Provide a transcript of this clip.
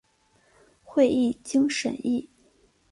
会议经审议